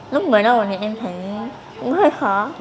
lúc mới đầu thì em thấy cũng hơi khó